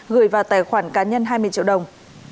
gửi vào tài khoản cá nhân hai mươi triệu đồng